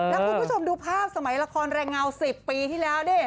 แล้วคุณผู้ชมดูภาพสมัยละครแรงเงา๑๐ปีที่แล้วดิ